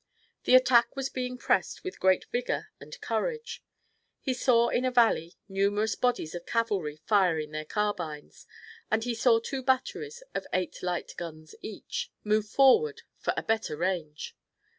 The attack was being pressed with great vigor and courage. He saw in a valley numerous bodies of cavalry, firing their carbines, and he saw two batteries, of eight light guns each, move forward for a better range.